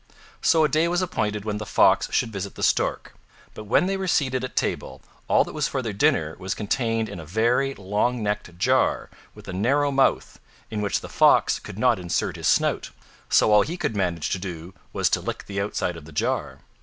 So a day was appointed when the Fox should visit the Stork; but when they were seated at table all that was for their dinner was contained in a very long necked jar with a narrow mouth, in which the Fox could not insert his snout, so all he could manage to do was to lick the outside of the jar.